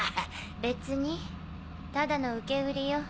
別にただの受け売りよ。